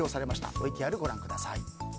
ＶＴＲご覧ください。